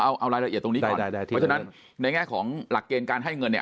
เอารายละเอียดตรงนี้ก่อนเพราะฉะนั้นในแง่ของหลักเกณฑ์การให้เงินเนี่ย